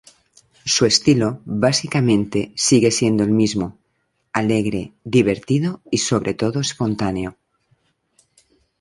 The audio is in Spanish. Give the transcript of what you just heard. Su estilo básicamente sigue siendo el mismo: alegre, divertido, y sobre todo espontáneo.